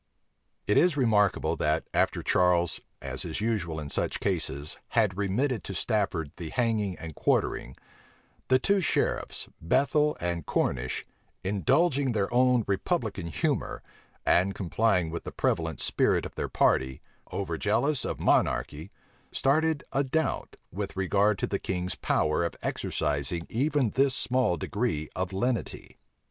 It is remarkable that, after Charles, as is usual in such cases, had remitted to Stafford the hanging and quartering, the two Sheriffs, Bethel and Cornish, indulging their own republican humor, and complying with the prevalent spirit of their party, over jealous of Monarchy, started a doubt with regard to the king's power of exercising even this small degree of lenity.